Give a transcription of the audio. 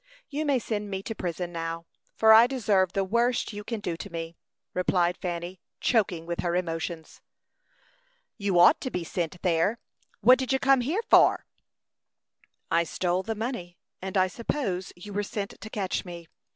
You may send me to prison now, for I deserve the worst you can do to me," replied Fanny, choking with her emotions. "You ought to be sent there. What did you come here for?" "I stole the money, and I suppose you were sent to catch me.